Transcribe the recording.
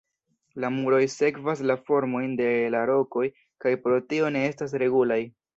La muroj sekvas la formojn de la rokoj kaj pro tio ne estas regulaj.